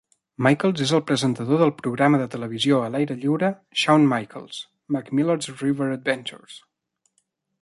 Michaels és el presentador del programa de televisió a l'aire lliure "Shawn Michaels' MacMillan River Adventures".